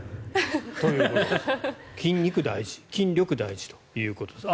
筋肉、大事筋力、大事ということです。